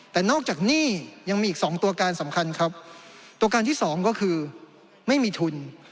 แต่นอกจากหนี้ยังมีอีกสองตัวการสำคัญครับตัวการที่สองก็คือไม่มีทุน